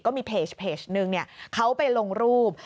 ก็มีเพจนึงเขาไปลงรูป